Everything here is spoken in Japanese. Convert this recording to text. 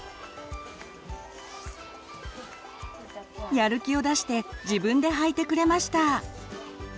やる気を出して自分ではいてくれました。